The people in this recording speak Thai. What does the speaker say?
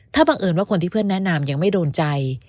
ถ้าบังเอิญว่าคนที่เพื่อนแนะนำยังไม่โดนใจ